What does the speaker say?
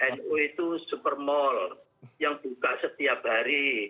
nu itu super mall yang buka setiap hari